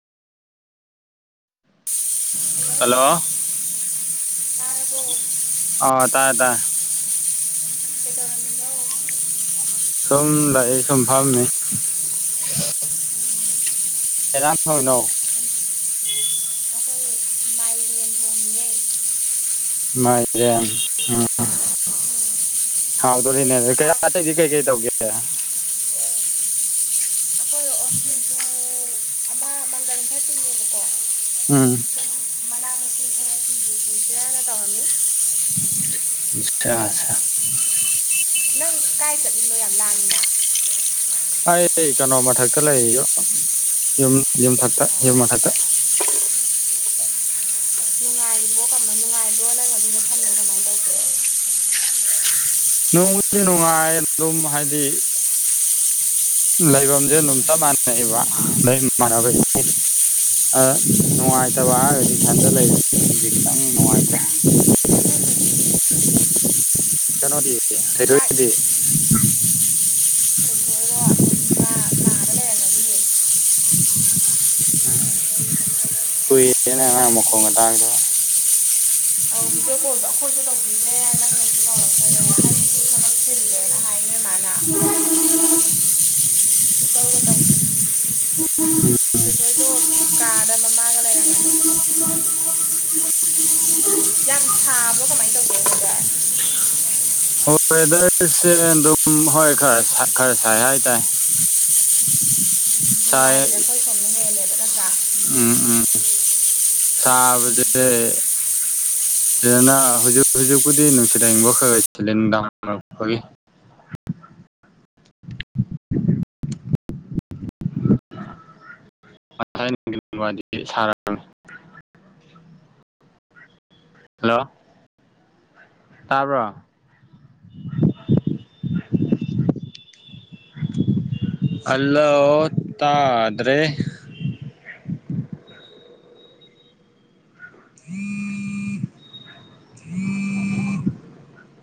hello [unintelligible] ꯇꯥꯔꯕꯣ ꯑꯥ ꯇꯥꯔꯦ ꯇꯥꯔꯦ [unintelligible] ꯀꯩꯗꯧꯔꯝꯃꯤꯅꯣ ꯁꯨꯝ ꯂꯩ ꯁꯨꯝ ꯐꯝꯃꯤ ꯎꯝ [unintelligible] ꯀꯩ ꯑꯟꯖꯥꯡ ꯊꯣꯡꯉꯤꯅꯣ [unintelligible] ꯑꯩꯈꯣꯏ ꯃꯥꯏꯔꯦꯟ ꯊꯣꯡꯉꯤꯌꯦ ꯃꯥꯏꯔꯦꯟ ꯎꯝ ꯎꯝ ꯍꯥꯎꯗꯣꯔꯤꯅꯦ ꯅꯣꯏꯗꯤ ꯀꯌꯥ ꯆꯥꯛ ꯑꯇꯩꯗꯤ ꯀꯩꯀꯩ ꯇꯧꯒꯦ ꯑꯩꯈꯣꯏ ꯑꯣꯁꯐ ꯑꯃ ꯃꯥꯡꯒꯥꯔꯤꯝꯐꯥꯏ ꯄꯤꯉꯦꯕꯀꯣ [unintelligible] ꯎꯝ [unintelligible] ꯃꯅꯥ ꯃꯁꯤꯡ ꯈꯔ ꯁꯤꯡꯖꯨ ꯁꯨꯁꯤꯔꯅ ꯇꯧꯔꯝꯃꯤ ꯑꯆꯥꯁ [unintelligible] ꯅꯪ ꯀꯥꯏ ꯆꯠꯂꯤꯅꯣ ꯌꯥꯝ ꯂꯥꯡꯉꯤꯅ ꯑꯩ ꯀꯩꯅꯣ ꯃꯊꯛꯇ ꯂꯩ ꯌꯨꯝ ꯌꯨꯝꯊꯛꯇ ꯌꯨꯝ ꯃꯊꯛꯇ ꯅꯨꯡꯉꯥꯏꯕ꯭ꯔꯣ ꯀꯃꯥꯏ ꯅꯨꯡꯉꯥꯏꯕ꯭ꯔꯣ ꯅꯪ ꯑꯗꯨ ꯃꯐꯝꯗꯣ ꯀꯃꯥꯏꯅ ꯇꯧꯒꯦ ꯅꯨꯡꯕꯨꯗꯤ ꯅꯨꯡꯉꯥꯏ ꯑꯗꯨꯝ ꯍꯥꯏꯗꯤ ꯂꯩꯐꯝꯁꯦ ꯑꯗꯨꯝ ꯆꯞ ꯃꯥꯟꯅꯩꯑꯕ ꯂꯩꯃꯥꯟꯅꯕ ꯎꯝ ꯅꯨꯡꯉꯥꯏꯇꯕ ꯍꯥꯏꯔꯒꯗꯤ ꯏꯊꯟꯗ ꯂꯩꯕꯗꯤ ꯈꯤꯇꯪ ꯅꯨꯡꯉꯥꯏꯇ꯭ꯔꯦ ꯎ ꯍ ꯍ ꯍ [unintelligible] ꯀꯩꯅꯣꯗꯤ ꯆꯥꯛ ꯊꯣꯏꯊꯣꯏꯗꯤ ꯊꯣꯏꯗꯣ ꯑꯁꯣꯟ ꯃꯥ ꯀꯥꯗ ꯂꯩꯔꯝꯒꯅꯤꯌꯦ ꯎꯝ ꯀꯨꯏꯔꯦꯅꯦ ꯃꯥ ꯑꯗꯨꯗꯤ ꯃꯈꯣꯟꯒ ꯇꯥꯒꯤꯗꯕ ꯚꯤꯗꯤꯑꯣ ꯀꯣꯜꯗꯣ ꯑꯩꯈꯣꯏꯁꯨ ꯇꯧꯕꯤꯗ꯭ꯔꯦ ꯅꯪꯅꯁꯨ ꯇꯧꯔꯛꯛꯇꯔꯦ ꯅꯪꯁꯨ ꯊꯕꯛ [unintelligible] [inaudible] ꯏꯇꯧꯒ ꯇꯧꯗ꯭ꯔ ꯎꯝ ꯊꯣꯏ ꯊꯣꯏꯗꯣ ꯀꯥꯗ ꯃꯃꯥꯒ ꯂꯩꯔꯝꯒꯅꯤ ꯑ [unintelligible] [inaudible] ꯌꯥꯝ ꯁꯥꯕ꯭ꯔꯣ ꯀꯃꯥꯏꯅ ꯇꯧꯒꯦ ꯁꯤꯖ ꯍꯣꯏ ꯋꯦꯗꯔꯁꯦ ꯑꯗꯨꯝ ꯍꯣꯏ ꯈꯔ ꯈꯔ ꯁꯥꯏ ꯍꯥꯏ ꯇꯥꯏꯦ ꯎꯝ ꯅꯨꯡꯉꯥꯏꯕꯁ ꯑꯩꯈꯣꯏ ꯁꯣꯝꯗ ꯍꯦꯜꯂꯦꯕ ꯅꯠꯇ꯭ꯔꯥ ꯎꯝ ꯎꯝ ꯁꯥꯕꯗꯤ ꯎꯝ ꯁꯤꯗꯅ ꯍꯧꯖꯤꯛ ꯍꯧꯖꯤꯛꯄꯨꯗꯤ ꯅꯨꯡꯁꯤꯅꯅꯤꯡꯕꯈꯔ ꯁꯤꯗꯥꯔꯛꯄꯒꯤ ꯉꯁꯥꯏꯗꯤ ꯁꯥꯔꯃꯦ ꯍꯜꯂꯣ ꯇꯥꯔꯕ ꯑꯂ ꯑꯣꯇꯥꯗ꯭ꯔꯦ ꯊ